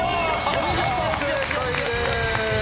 お見事正解です。